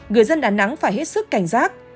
người dân đà nẵng phải hết sức cảnh giác